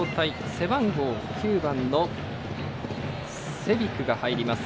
背番号９番のセビクが入ります。